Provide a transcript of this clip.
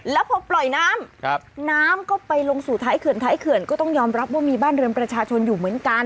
แล้วพอปล่อยน้ำน้ำก็ไปลงสู่ท้ายเขื่อนท้ายเขื่อนก็ต้องยอมรับว่ามีบ้านเรือนประชาชนอยู่เหมือนกัน